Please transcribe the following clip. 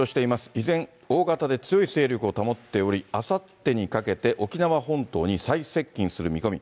依然、大型で強い勢力を保っており、あさってにかけて沖縄本島に最接近する見込み。